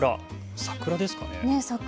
桜ですかね。